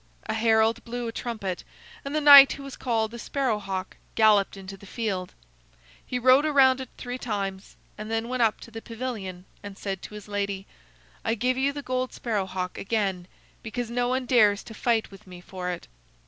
A herald blew a trumpet, and the knight who was called the Sparrow hawk galloped into the field. He rode around it three times, and then went up to the pavilion and said to his lady: "I give you the gold sparrow hawk again, because no one dares to fight with me for it."